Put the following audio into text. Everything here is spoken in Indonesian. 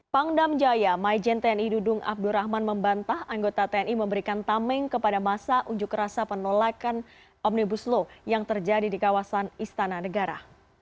pangdam jaya maijen tni dudung abdurrahman membantah anggota tni memberikan tameng kepada masa unjuk rasa penolakan omnibus law yang terjadi di kawasan istana negara